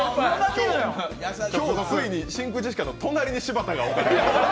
今日、ついに真空ジェシカの隣に柴田さんが置かれました。